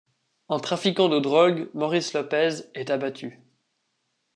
Un trafiquant de drogue, Maurice Lopez, est abattu.